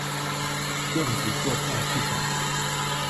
電子作票系統